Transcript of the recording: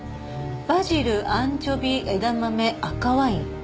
「バジルアンチョビ枝豆赤ワイン」